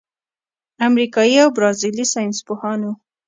امریکايي او برازیلي ساینسپوهانو